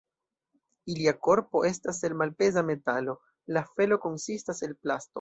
Ilia korpoj estas el malpeza metalo, la felo konsistas el plasto.